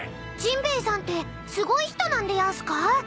［ジンベエさんってすごい人なんでやんすか？］